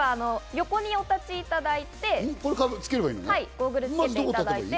横にお立ちいただいて、ゴーグルをつけていただいて。